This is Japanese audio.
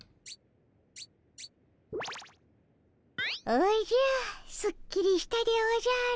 おじゃすっきりしたでおじゃる。